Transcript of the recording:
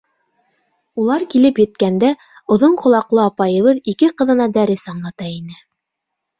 Улар килеп еткәндә, оҙон ҡолаҡлы апайыбыҙ ике ҡыҙына дәрес аңлата ине.